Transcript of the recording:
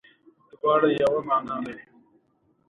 تورې شرنګېدې.